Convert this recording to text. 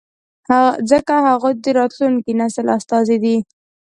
ځکه هغوی د راتلونکي نسل استازي دي.